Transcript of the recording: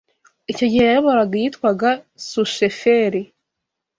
Icyo gihe yayoboraga iyitwaga su sheferi